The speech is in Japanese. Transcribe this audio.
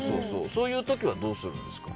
そういう時はどうするんですか？